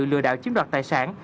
lừa đảo chiếm đoạt tài sản